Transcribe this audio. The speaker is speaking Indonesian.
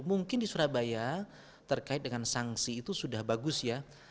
mungkin di surabaya terkait dengan sanksi itu sudah bagus ya